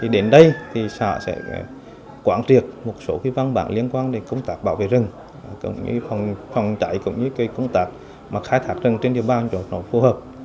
đến đây xã sẽ quản triệt một số văn bản liên quan đến công tác bảo vệ rừng phòng chạy công tác khai thác rừng trên địa bàn cho nó phù hợp